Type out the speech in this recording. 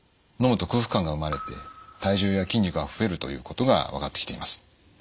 のむと空腹感が生まれて体重や筋肉が増えるということが分かってきています。